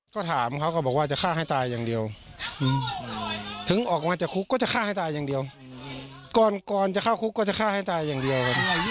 ก็ถามเขาก็บอกว่าจะฆ่าให้ตายอย่างเดียวถึงออกมาจากคุกก็จะฆ่าให้ตายอย่างเดียวก่อนจะเข้าคุกก็จะฆ่าให้ตายอย่างเดียวครับ